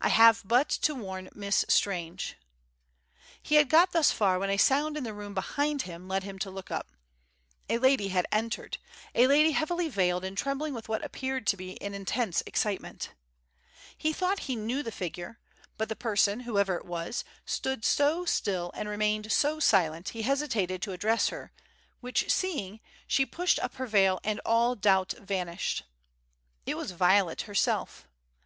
I have but to warn Miss Strange He had got thus far when a sound in the room behind him led him to look up. A lady had entered; a lady heavily veiled and trembling with what appeared to be an intense excitement. He thought he knew the figure, but the person, whoever it was, stood so still and remained so silent, he hesitated to address her; which seeing, she pushed up her veil and all doubt vanished. It was Violet herself.